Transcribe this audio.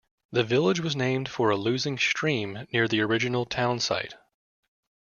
The village was named for a losing stream near the original town site.